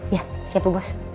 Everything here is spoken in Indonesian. iya siap bu bos